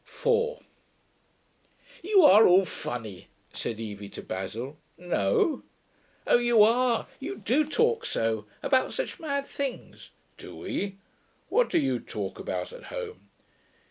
4 'You are all funny,' said Evie to Basil. 'No?' 'Oh, you are. You do talk so.... About such mad things.' 'Do we? What do you talk about at home?'